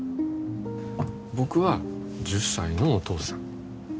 僕は１０歳のお父さん。